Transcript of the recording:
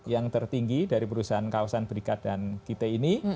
yang tertinggi dari perusahaan kawasan berikat dan kit ini